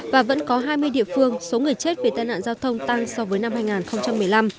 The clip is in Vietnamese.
và vẫn có hai mươi địa phương số người chết vì tai nạn giao thông tăng so với năm hai nghìn một mươi năm